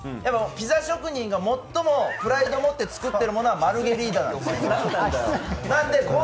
ピザ職人が最もプライドを持って作っているのはマルゲリータなんですよ。